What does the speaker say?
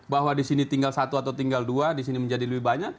bahwa di sini tinggal satu atau tinggal dua di sini menjadi lebih banyak